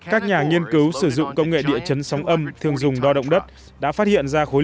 các nhà nghiên cứu sử dụng công nghệ địa chấn sóng âm thường dùng đo động đất đã phát hiện ra khối